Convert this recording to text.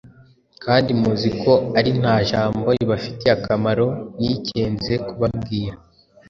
Kandi muzi y’uko ari nta jambo ribafitiye akamaro nikenze kubabwira